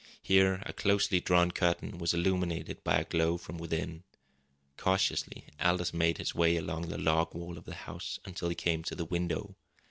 Here a closely drawn curtain was illuminated by a glow from within. Cautiously Aldous made his way along the log wall of the house until he came to the window.